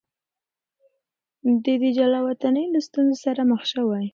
ده د جلاوطنۍ له ستونزو سره مخ شوی.